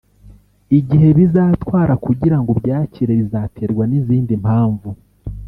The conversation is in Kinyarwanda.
Igihe bizatwara kugira ngo ubyakire bizaterwa n’izindi mpamvu